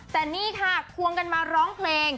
แต่นี่ค่ะควงกันมาร้องเพลง